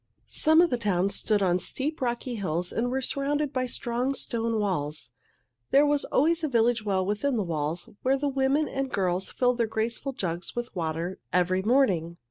Some of the towns stood on steep, rocky hills and were surrounded by strong, stone walls. There was always a village well within the walls, where the women and girls filled their graceful jugs with water every morning.